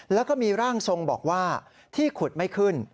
แล้วก็มีร่างทรงบอกว่าที่ขุดไม่ขึ้น